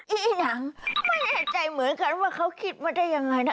อีหนังไม่แน่ใจเหมือนกันว่าเขาคิดมาได้ยังไงนะ